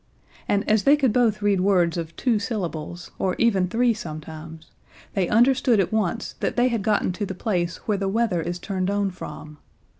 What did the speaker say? And as they could both read words of two syllables or even three sometimes, they understood at once that they had gotten to the place where the weather is turned on from.